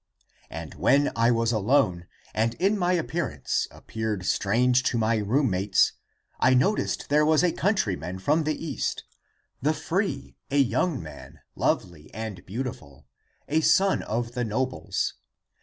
And when I was alone 314 " THE APOCRYPHAL ACTS And in my appearance appeared strange to my room mates, I noticed there was a countryman from the East, The free, a young man, lovely and beautiful A Son of the nobles.